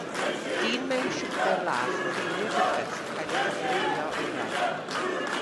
Dyn mewn siwmper las yn gwylio rhywbeth sy'n cael ei daflunio o'i flaen.